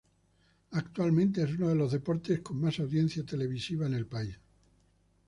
Actualmente es uno de los deportes con más audiencia televisiva en el país.